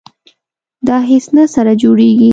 دا هیڅ نه سره جوړیږي.